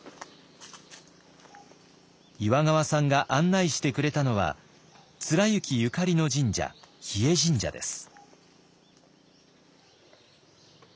岩川さんが案内してくれたのは貫之ゆかりの神社日吉神社です。